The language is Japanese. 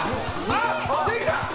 あ、できた！